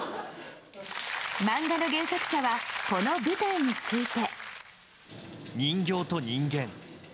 漫画の原作者はこの舞台について。